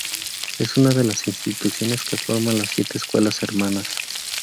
Es una de las instituciones que forman las Siete Escuelas Hermanas.